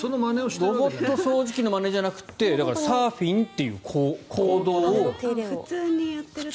ロボット掃除機のまねじゃなくてサーフィンという行動を。